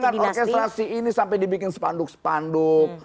bayangkan orkestrasi ini sampai dibikin sepanduk sepanduk